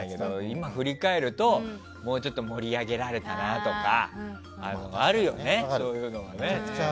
今、振り返るともうちょっと盛り上げられたなとかあるよね、そういうのもね。